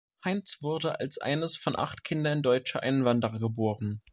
Heinz wurde als eines von acht Kindern deutscher Einwanderer geboren.